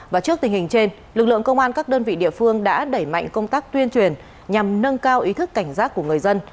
và trước tình hình trên lực lượng công an các đơn vị địa phương đã đẩy mạnh công tác tuyên truyền nhằm nâng cao ý thức cảnh giác của người dân